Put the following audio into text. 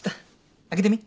開けてみ。